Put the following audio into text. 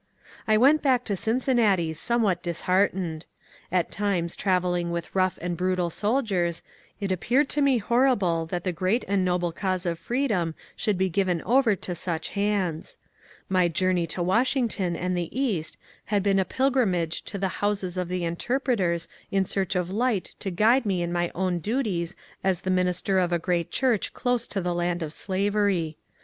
I went back to Cincinnati somewhat disheartened. At times > travelling with rough and brutal soldiers, it appeared to me ( horrible that the great and noble cause of freedom should be given over to such hands. My journey to Washington and the East had been a pilgrimage to the houses of the interpret ers in search of light to g^de me in my own duties as the minister of a great church close to the land of slavery.